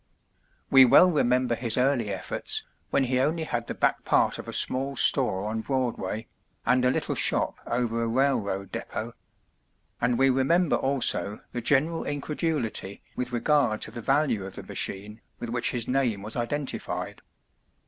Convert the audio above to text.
"We well remember his early efforts, when he only had the back part of a small store on Broadway, and a little shop over a railroad depot; and we remember also the general incredulity with regard to the value of the machine with which his name was identified.